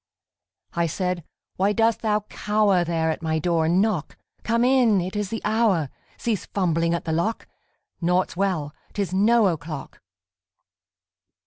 I said, _Why dost thou cower There at my door and knock? Come in! It is the hour! Cease fumbling at the lock! Naught's well! 'Tis no o'clock!